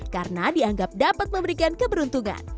karena dianggap dapat memberikan keberuntungan